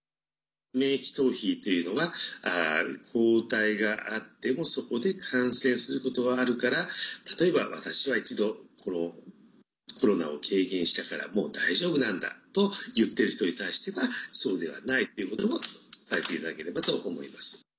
免疫逃避というのは抗体があってもそこで感染することはあるから例えば、私は一度、コロナを経験したからもう大丈夫なんだと言っている人に対してはそうではないということも伝えていただければと思います。